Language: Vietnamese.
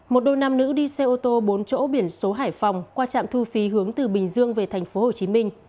một đôi nam nữ đi xe ô tô bốn chỗ biển số hải phòng qua trạm thu phí hướng từ bình dương về tp hcm